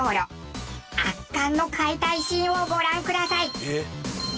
圧巻の解体シーンをご覧ください。